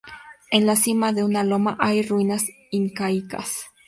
En la cima de una loma hay ruinas incaicas.